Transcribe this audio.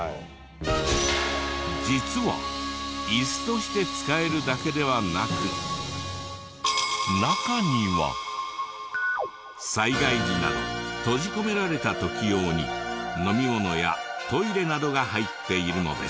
実は椅子として使えるだけではなく中には災害時など閉じ込められた時用に飲み物やトイレなどが入っているのです。